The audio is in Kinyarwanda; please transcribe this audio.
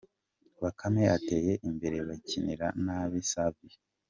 Bakame ateye imbere bakinira nabi Savio